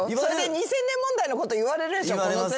２０００年問題のこと言われるでしょ？